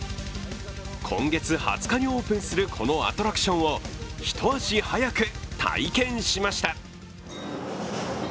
今月２０日にオープンするこのアトラクションを一足早く体験しました。